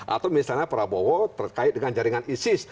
atau misalnya prabowo terkait dengan jaringan isis